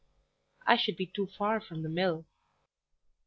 "I should be too far from the mill."